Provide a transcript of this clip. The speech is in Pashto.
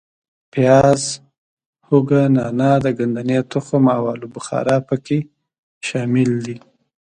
پیاز، هوګه، نانا، د ګدنې تخم او آلو بخارا په کې شامل دي.